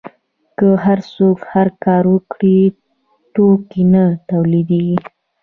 که هر څوک هر کار وکړي توکي نه تولیدیږي.